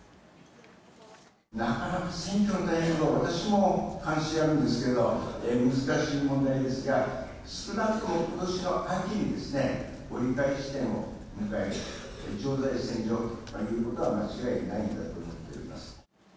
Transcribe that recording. なかなか選挙のタイミングは私も関心あるんですけど、難しい問題ですが、少なくともことしの秋に折り返し地点を迎え、常在戦場ということは間違いないんだと思っております。